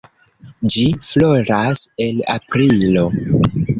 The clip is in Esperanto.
Ĝi floras en aprilo.